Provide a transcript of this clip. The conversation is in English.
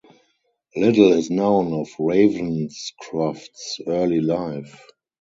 Little is known of Ravenscroft's early life.